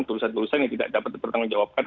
tulisan tulisan yang tidak dapat dipertanggungjawabkan